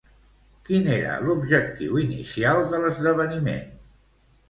Quin era l'objectiu inicial de l'esdeveniment?